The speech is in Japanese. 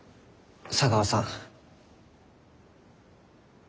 茶川さん。